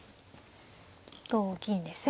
同銀ですね。